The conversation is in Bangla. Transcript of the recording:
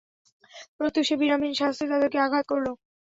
প্রত্যুষে বিরামহীন শাস্তি তাদেরকে আঘাত করল।